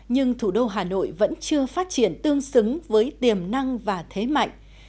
nhưng thủ đô hà nội vẫn chưa phát triển tương xứng với tiềm năng và thế mạnh